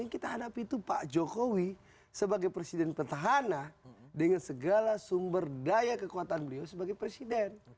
yang kita hadapi itu pak jokowi sebagai presiden petahana dengan segala sumber daya kekuatan beliau sebagai presiden